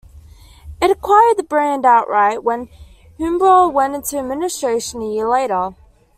It acquired the brand outright, when Humbrol went into administration a year later.